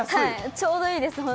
ちょうどいいです、本当に。